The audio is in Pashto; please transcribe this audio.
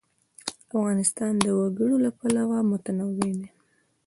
افغانستان د وګړي له پلوه متنوع دی.